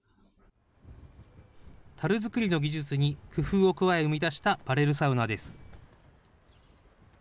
たる作りの技術に工夫を加え、生み出したバレルサウナです。